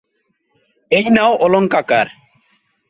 এই নাও অলঙ্কাকার।